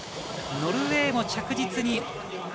ノルウェーも着実に。